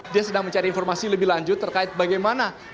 dia sedang mencari informasi lebih lanjut terkait bagaimana